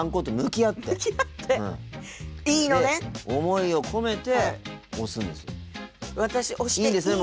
思いを込めて押すんですよ。